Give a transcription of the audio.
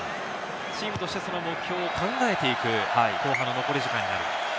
チームとして目標を考えていく、後半の残り時間になっています。